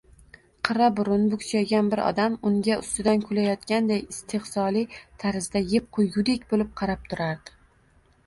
Qirraburun, bukchaygan bir odam unga ustidan kulayotganday istehzoli tarzda, yeb qoʻygudek boʻlib qarab turardi.